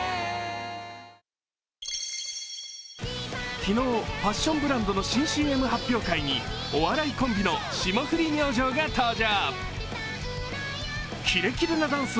昨日、ファッションブランドの新ＣＭ発表会にお笑いコンビの霜降り明星が登場。